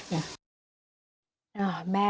เลิกขาด